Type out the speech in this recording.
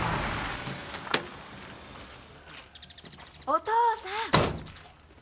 お父さん！